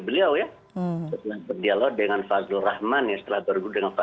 sesuatu yang dulu dua ribu tiga yang ant groups yang kabur kabur sengguhnya